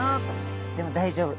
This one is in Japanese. でも大丈夫。